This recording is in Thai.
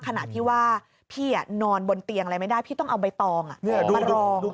ขณะที่ว่าพี่นอนบนเตียงอะไรไม่ได้พี่ต้องเอาใบตองมารอง